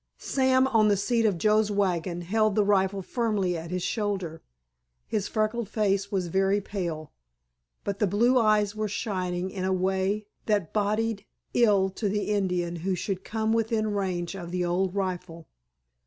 Sam on the seat of Joe's wagon held the rifle firmly at his shoulder. His freckled face was very pale, but the blue eyes were shining in a way that boded ill to the Indian who should come within range of the old rifle.